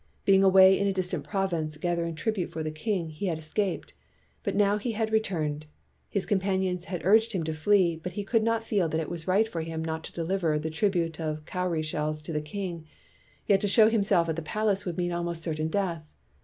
Being away in a distant province, gathering tribute for the king, he had escaped. But now he had returned. His companions had urged him to flee, but he could not feel that it was right for him not to deliver the tribute of cowry shells to the king; yet to show himself at the palace would mean almost certain death.